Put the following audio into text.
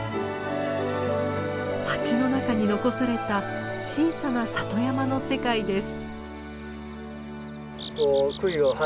町の中に残された小さな里山の世界です。